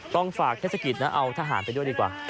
ต้องฝากเทศกิจนะเอาทหารไปด้วยดีกว่า